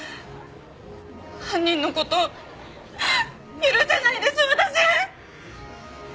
犯人の事許せないです私！